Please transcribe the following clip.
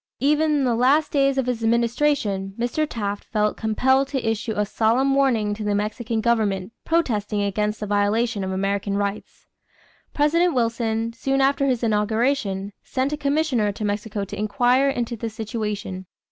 Even in the last days of his administration, Mr. Taft felt compelled to issue a solemn warning to the Mexican government protesting against the violation of American rights. President Wilson, soon after his inauguration, sent a commissioner to Mexico to inquire into the situation.